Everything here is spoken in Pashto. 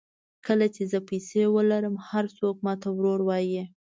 کله چې زه پیسې ولرم هر څوک ماته ورور وایي.